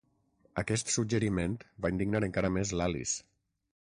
Aquest suggeriment va indignar encara més l'Alice.